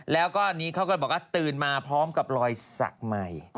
แล้วก็อันนี้เขาก็บอกว่าตื่นมาพร้อมกับรอยสักใหม่